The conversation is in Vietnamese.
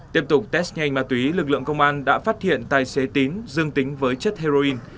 tiếp tục test nhanh ma túy lực lượng công an đã phát hiện tài xế tín dương tính với chất heroin